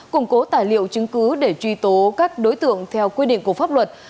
củng cố tài liệu chứng cứ để truy tố các đối tượng theo quy định của pháp luật